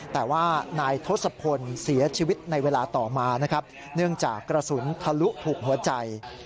แต่ว่านายทศพลเสียชีวิตในเวลาต่อมานะครับเนื่องจากกระสุนทะลุถูกหัวใจ